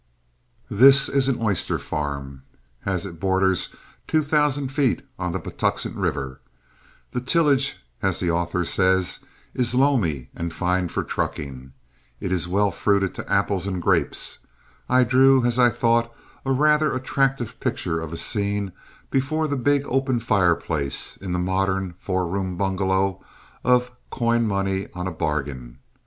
This is an oyster farm, as it borders two thousand feet on the Patuxent River. The tillage, as the author says, "is loamy and fine for trucking." It is well fruited to apples and grapes. I drew, as I thought, a rather attractive picture of a scene before the big open fireplace in the modern four room bungalow of "Coin Money on a Bargain."